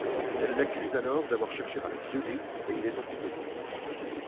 Elle l'accuse alors d'avoir cherché à la violer et il est emprisonné.